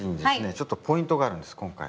ちょっとポイントがあるんです今回。